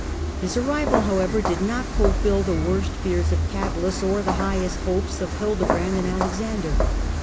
His arrival, however, did not fulfil the worst fears of Cadalus or the highest hopes of Hildebrand and Alexander.